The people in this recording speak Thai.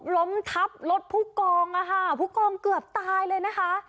ล้มทับรถผู้กองอะค่ะผู้กองเกือบตายเลยนะคะ